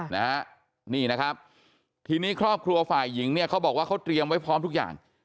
นะฮะนี่นะครับทีนี้ครอบครัวฝ่ายหญิงเนี่ยเขาบอกว่าเขาเตรียมไว้พร้อมทุกอย่าง